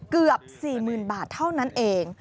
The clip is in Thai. เกือบ๔๐๐๐บาทเท่านั้นเอง